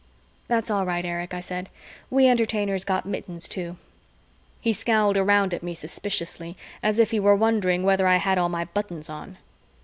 "That's all right, Erich," I said. "We Entertainers Got Mittens too." He scowled around at me suspiciously, as if he were wondering whether I had all my buttons on.